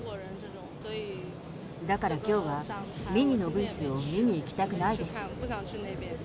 だからきょうは、ＭＩＮＩのブースを見に行きたくないです。